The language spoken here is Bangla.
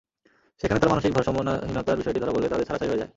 সেখানে তাঁর মানসিক ভারসাম্যহীনতার বিষয়টি ধরা পড়লে তাঁদের ছাড়াছাড়ি হয়ে যায়।